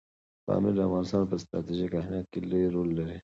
پامیر د افغانستان په ستراتیژیک اهمیت کې لوی رول لري.